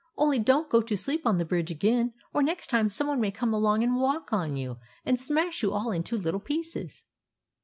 " Only don't go to sleep on the bridge again, or next time some one may come along and walk on you, and smash you all into little pieces."